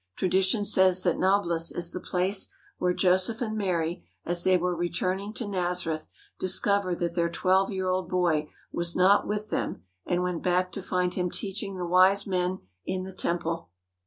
Tradition says that Nablus is the place where Joseph and Mary as they were returning to Nazareth discovered that their twelve year old boy was not with them and went back to find Him teaching the wise men in the temple.